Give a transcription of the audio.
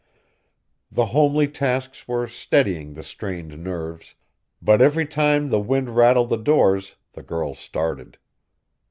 The homely tasks were steadying the strained nerves, but every time the wind rattled the doors the girl started.